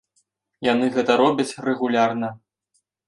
Яны гэта робяць рэгулярна.